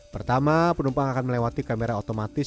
pertama penumpang akan melewati kamera otomatis